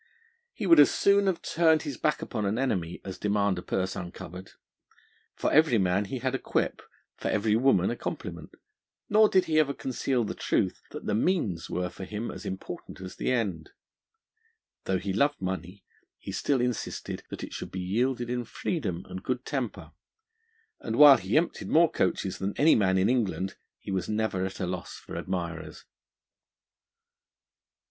He would as soon have turned his back upon an enemy as demand a purse uncovered. For every man he had a quip, for every woman a compliment; nor did he ever conceal the truth that the means were for him as important as the end. Though he loved money, he still insisted that it should be yielded in freedom and good temper; and while he emptied more coaches than any man in England, he was never at a loss for admirers.